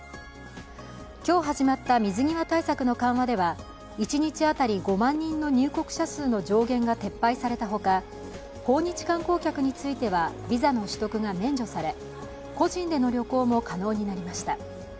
今日始まった水際対策の緩和では一日当たり５万人の入国者数の上限が撤廃されたほか訪日観光客についてはビザの取得が免除され、個人での旅行も可能になりました。